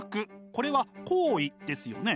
これは行為ですよね。